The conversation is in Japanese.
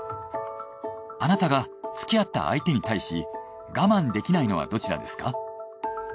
あなたがつきあった相手に対し我慢できないのはどちらですか？